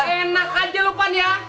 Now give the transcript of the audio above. enak aja lu pan ya